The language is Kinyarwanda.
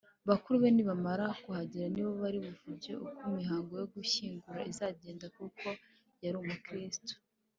Bakuru be nibamara kuhagera nibo bari buvuge uko imihango yo gushyingura izagenda kuko yari umukristu